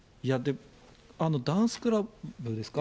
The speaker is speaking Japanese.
ダンスクラブですか？